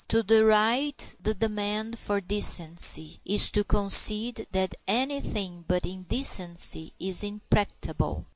To deride the demand for decency is to concede that anything but indecency is impracticable.